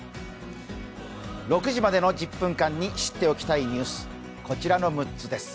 ６時までの１０分間に知っておきたいニュース、こちらの６つです。